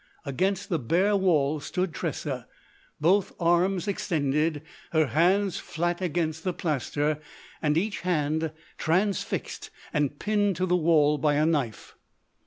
Against the bare wall stood Tressa, both arms extended, her hands flat against the plaster, and each hand transfixed and pinned to the wall by a knife.